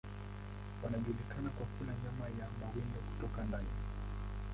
Wanajulikana kwa kula nyama ya mawindo kutoka ndani.